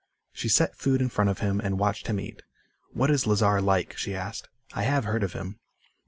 She set food in front of him and watched him eat. "What is Lazar like?" she asked. "I have heard of him."